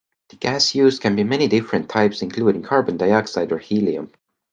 The gas used can be many different types, including carbon dioxide or helium.